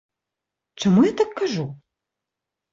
Чаму я так кажу?